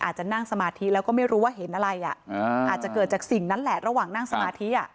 อาจจะนั่งสมาธิแล้วก็ไม่รู้ว่าเห็นอะไรอาจจะเกิดจากสิ่งนั้นแหละระหว่างนั่งสมาธิ